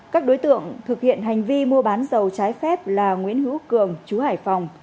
các đối tượng thực hiện hành vi mua bán dầu trái phép là nguyễn hữu cường chú hải phòng